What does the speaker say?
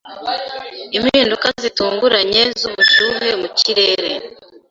Impinduka zitunguranye z’ubushyuhe mu kirere